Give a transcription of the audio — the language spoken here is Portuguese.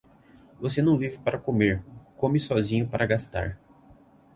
Você não vive para comer, come sozinho para gastar.